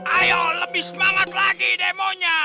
ayo lebih semangat lagi demonya